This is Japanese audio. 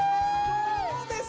どうです？